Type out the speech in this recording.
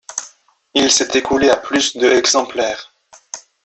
Il s'est écoulé à plus de exemplaires.